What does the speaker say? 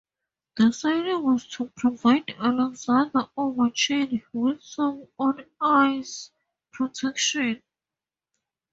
The signing was to provide Alexander Ovechkin with some on-ice protection.